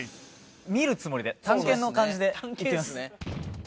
見るつもりで探検の感じでいきます。